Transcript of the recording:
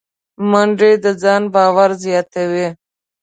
منډه د ځان باور زیاتوي